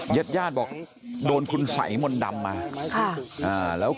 เย็ดบอกโดนคุณสัยมนต์ดำมา